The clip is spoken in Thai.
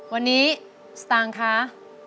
วันนี้สตางค์คะ